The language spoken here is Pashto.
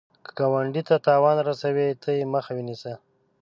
که ګاونډي ته تاوان رسوي، ته یې مخه ونیسه